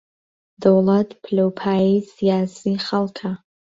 دەوڵەت پلە و پایەی سیاسیی خەڵکە